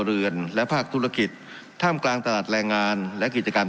เรือนและภาคธุรกิจท่ามกลางตลาดแรงงานและกิจการ